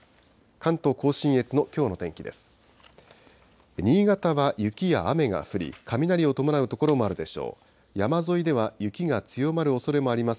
関東甲信越のきょうの天気です。